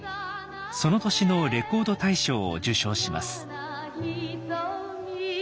その年のレコード大賞を受賞します。